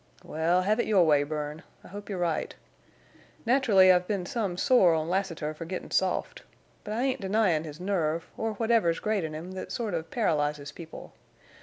"Wal, hev it your way, Bern. I hope you're right. Nat'rully I've been some sore on Lassiter fer gittin' soft. But I ain't denyin' his nerve, or whatever's great in him thet sort of paralyzes people.